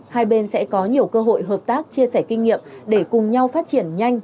hai bên sẽ có nhiều cơ hội hợp tác chia sẻ kinh nghiệm để cùng nhau phát triển nhanh